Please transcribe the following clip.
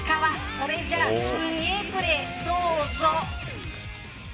それじゃあ、すごいプレーどうぞ。